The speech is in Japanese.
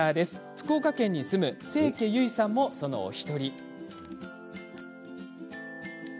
福岡県に住む清家ゆいさんも、その１人です。